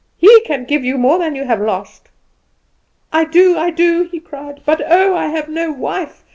"He can give you more than you have lost." "I do, I do!" he cried; "but oh, I have no wife!